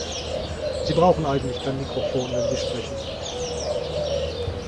Sie brauchen eigentlich kein Mikrophon, wenn Sie sprechen!